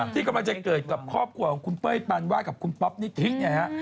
ที่กำลังจะเกิดกับครอบครัวของคุณเป้ยปานวาดกับคุณป๊อปนิธิเนี่ยฮะ